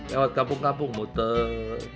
lewat kampung kampung muter